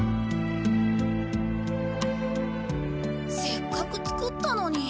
せっかく作ったのに。